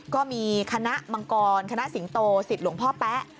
ก็มีคณะมังกรคณะสิงโตสิทธิ์หลวงพ่อแป๊ะ